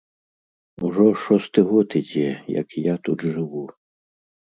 Ужо шосты год ідзе, як я тут жыву.